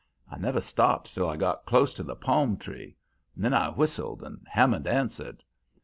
I never stopped till I got close to the palm tree. Then I whistled and Hammond answered.